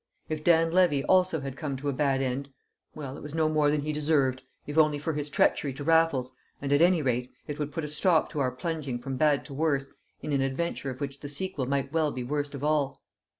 If Dan Levy also had come to a bad end well, it was no more than he deserved, if only for his treachery to Raffles, and, at any rate, it would put a stop to our plunging from bad to worse in an adventure of which the sequel might well be worst of all.